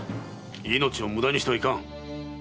命を無駄にしてはいかん。